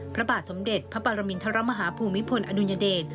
พระบาทสมเด็จพระปรมินทรมาฮาภูมิพลอดุญเดช